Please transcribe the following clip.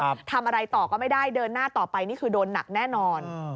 ทำอะไรต่อก็ไม่ได้เดินหน้าต่อไปนี่คือโดนหนักแน่นอน